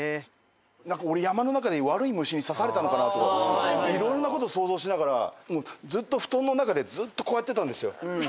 俺山の中で悪い虫に刺されたのかなとか色々なこと想像しながらもうずっと布団の中でこうやってたんですよ。